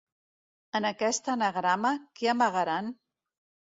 En aquest anagrama, què amagaran?